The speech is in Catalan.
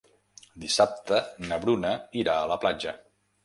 Dissabte na Bruna irà a la platja.